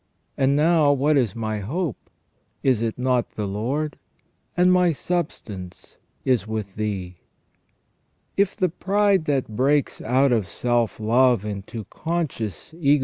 And now, what is my hope ? Is it not the Lord ? And my substance is with Thee." If the pride that breaks out of self love into conscious egotism * S. August.